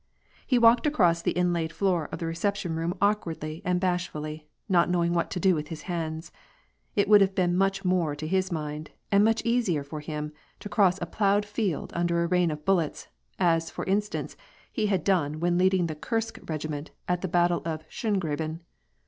He walked across the inlaid floor of the recep tion room awkwardly and bashfully, not knowing what to do with his hands : it would have been much more to his mind, and much easier for him, to cross a ploughed field under a rain of bullets, as, for instance, he had done when leading the Kursk regiment at the battle of Schongraben.